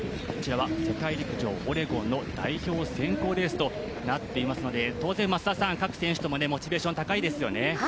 こちらは世界陸上オレゴンの代表選考レースとなっていますので当然、各選手ともモチベーション、高いですよね。